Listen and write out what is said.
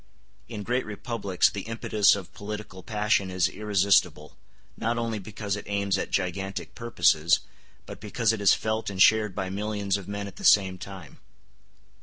In great republics the impetus of political passion is irresistible, not only because it aims at gigantic purposes, but because it is felt and shared by millions of men at the same time.